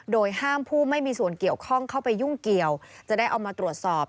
โดยห้ามผู้ไม่มีส่วนเกี่ยวข้องเข้าไปยุ่งเกี่ยวจะได้เอามาตรวจสอบ